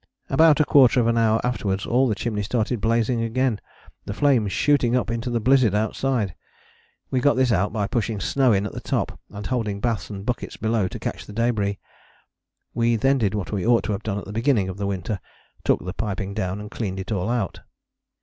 About a quarter of an hour afterwards all the chimney started blazing again, the flames shooting up into the blizzard outside. We got this out by pushing snow in at the top, and holding baths and buckets below to catch the débris. We then did what we ought to have done at the beginning of the winter took the piping down and cleaned it all out.